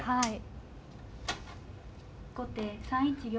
はい。